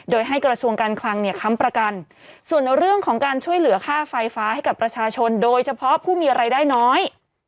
โดยให้กระทรวงการคลังเนี่ยค้ำประกันส่วนเรื่องของการช่วยเหลือค่าไฟฟ้าให้กับประชาชนโดยเฉพาะผู้มีรายได้น้อย